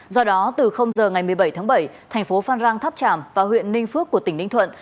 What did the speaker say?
do đó từ giờ ngày một mươi bảy tháng bảy thành phố phan rang tháp tràm và huyện ninh phước của tỉnh ninh thuận